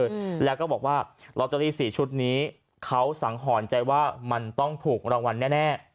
อืมแล้วก็บอกว่าลอตเตอรี่สี่ชุดนี้เขาสังหรณ์ใจว่ามันต้องถูกรางวัลแน่แน่